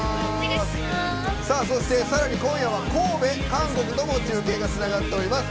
そしてさらに今夜は神戸、韓国とも中継がつながっております。